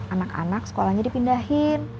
anak anak sekolahnya dipindahin